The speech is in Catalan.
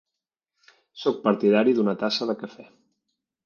Sóc partidari d'una tassa de cafè.